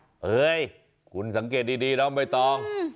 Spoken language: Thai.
เฮ้ยคุณสังเกตดีแล้วไม่ต้อง